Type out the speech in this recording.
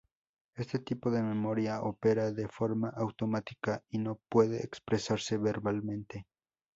Este tipo de memoria opera de forma automática, y no puede expresarse verbalmente.